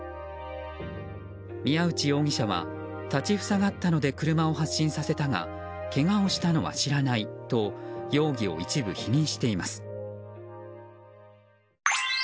宮内容疑者は、立ち塞がったので車を発進させたがけがをしたのは知らないと容疑を一部否認しています。